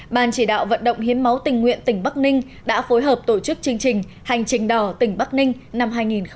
ban chỉ đạo vận động hiến máu tình nguyện tỉnh bắc ninh đã phối hợp tổ chức chương trình hành trình đỏ tỉnh bắc ninh năm hai nghìn một mươi chín